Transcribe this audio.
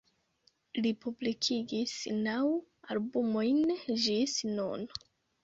Li publikigis naŭ albumojn ĝis nun.